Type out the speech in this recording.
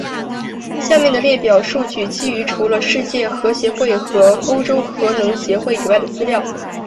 下面的列表数据基于除了世界核协会和欧洲核能协会以外的资料。